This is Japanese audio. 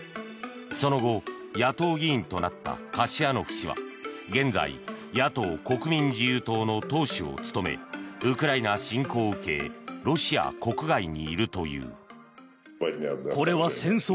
その後、野党議員となったカシヤノフ氏は現在野党・国民自由党の党首を務めウクライナ侵攻を受けロシア国外にいるという。